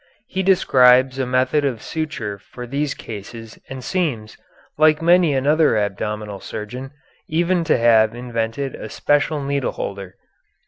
He describes a method of suture for these cases and seems, like many another abdominal surgeon, even to have invented a special needleholder.